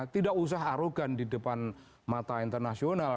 tidak usah arogan di depan mata internasional